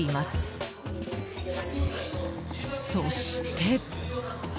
そして。